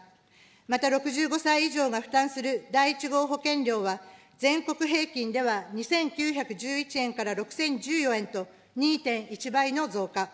また６５歳以上が負担する第１号保険料は、全国平均では２９１１円から６０１４円と、２．１倍の増加。